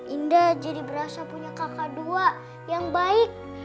indah jadi berasa punya kakak dua yang baik